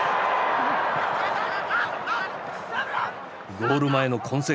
ゴール前の混戦